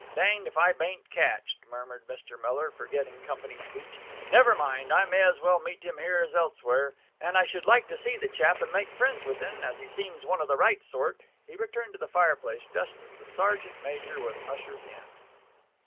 'Danged if I bain't catched!' murmured Mr. Miller, forgetting company speech. 'Never mind I may as well meet him here as elsewhere; and I should like to see the chap, and make friends with en, as he seems one o' the right sort.' He returned to the fireplace just as the sergeant major was ushered in.